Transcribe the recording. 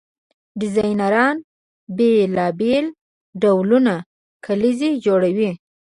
ډیزاینران بیلابیل ډولونه کلیزې جوړوي.